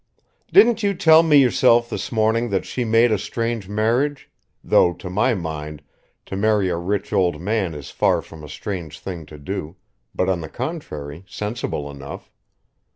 Didn't you tell me yourself this morning that she made a strange marriage, though, to my mind to marry a rich old man is far from a strange thing to do but on the contrary, sensible enough.